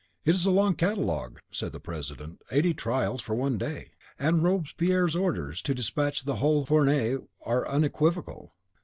"It is a long catalogue," said the president; "eighty trials for one day! And Robespierre's orders to despatch the whole fournee are unequivocal."